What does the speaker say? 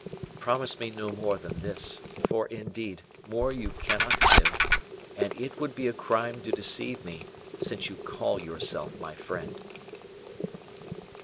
Promise me no more than this, for, indeed, more you cannot give, and it would be a crime to deceive me, since you call yourself my friend."